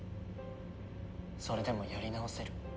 それでもやり直せる。